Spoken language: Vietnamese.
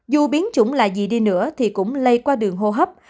dù biến chủng là gì đi nữa thì cũng lây qua đường hô hấp